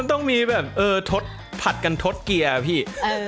ต้องมีแบบเออทดผัดกันทดเกียร์พี่